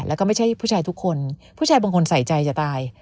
แล้วก็ไม่ใช่ผู้ชายทุกคนผู้ชายบางคนใส่ใจจะตาย